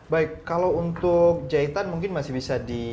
baik kalau untuk jahitan mungkin masih bisa di